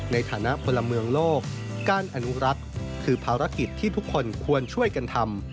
ในฐานะพลเมืองโลกการอนุรักษ์คือภารกิจที่ทุกคนควรช่วยกันทำ